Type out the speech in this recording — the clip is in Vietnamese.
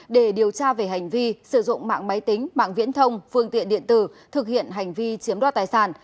để điều tra về hành vi sử dụng mạng máy tính mạng viễn thông phương tiện điện tử thực hiện hành vi chiếm đoạt tài sản